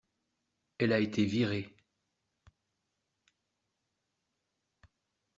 Elle a été virée.